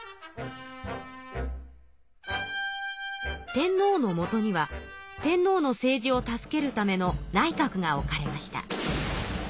天皇のもとには天皇の政治を助けるための内閣が置かれました。